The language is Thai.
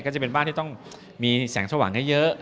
ก็จะเป็นบ้านที่ต้องมีแสงสว่างเยอะ